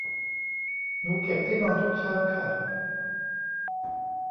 หนูเก็บที่นอนทุกเช้าค่ะ